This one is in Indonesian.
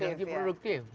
jadi jauh lebih produktif